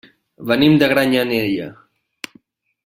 Venim de Granyanella.